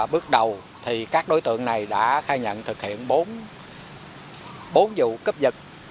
bước đầu các đối tượng này đã khai nhận thực hiện bốn vụ cấp giật